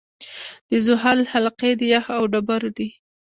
د زحل حلقې د یخ او ډبرو دي.